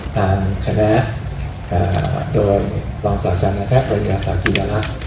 ตามคณะโดยรองศาลชาณะแพทย์ปริญญาศาลกิจารักษ์